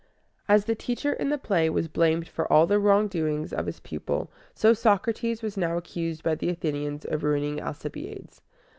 As the teacher in the play was blamed for all the wrongdoing of his pupil, so Socrates was now accused by the Athenians of ruining Alcibiades.